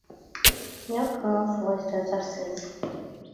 Kravis and Kohlberg proposed what they called a leveraged buyout.